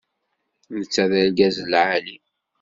Netta d argaz lɛali.